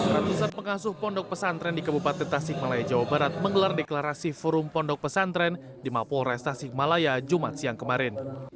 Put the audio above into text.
ratusan pengasuh pondok pesantren di kabupaten tasik malaya jawa barat menggelar deklarasi forum pondok pesantren di mapolres tasikmalaya jumat siang kemarin